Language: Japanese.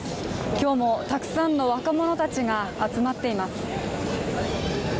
今日もたくさんの若者たちが集まっています。